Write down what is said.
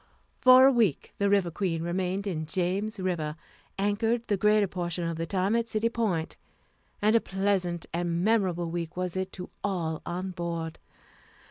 For a week the River Queen remained in James River, anchored the greater portion of the time at City Point, and a pleasant and memorable week was it to all on board.